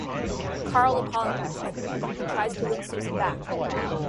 Karl apologises later and tries to win Susan back.